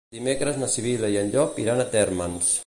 Dimecres na Sibil·la i en Llop iran a Térmens.